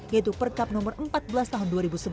yaitu perkab nomor empat belas tahun dua ribu sebelas